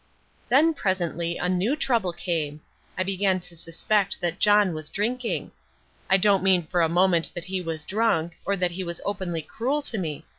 Then presently a new trouble came. I began to suspect that John was drinking. I don't mean for a moment that he was drunk, or that he was openly cruel to me.